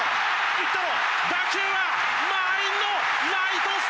いったろ！